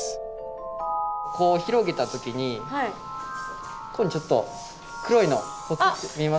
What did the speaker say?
こう広げた時にここにちょっと黒いのポツって見えますか？